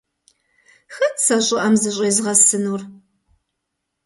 Хэт сэ щӀыӀэм зыщӀезгъэсынур?